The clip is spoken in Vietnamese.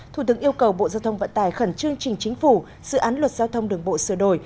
thủ tướng yêu cầu bộ giao thông vận tải khẩn trương trình chính phủ dự án luật giao thông đường bộ sửa đổi